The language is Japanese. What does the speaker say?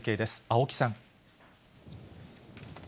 青木さん。